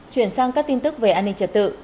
chuyển sang các tin tức về an ninh trật tự